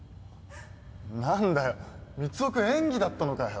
何だよミツオ君演技だったのかよ。